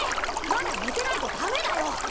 まだ寝てないとダメだよ。